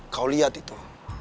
kau lihat itu